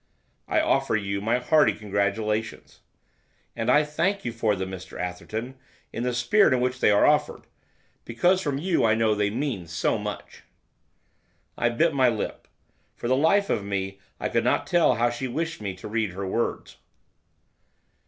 'I offer you my hearty congratulations.' 'And I thank you for them, Mr Atherton, in the spirit in which they are offered, because from you I know they mean so much.' I bit my lip, for the life of me I could not tell how she wished me to read her words.